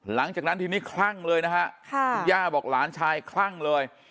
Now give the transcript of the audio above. หลังจากนั้นทีนี้คลั่งเลยนะฮะคุณย่าบอกหลานชายคลั่งเลย